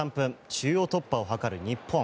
中央突破を図る日本。